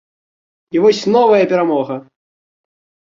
І вось новая перамога!